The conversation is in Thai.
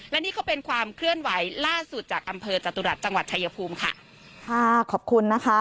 และนี่ก็เป็นความเคลื่อนไหวล่าสุดจากอำเภอจตุรัสจังหวัดชายภูมิค่ะค่ะขอบคุณนะคะ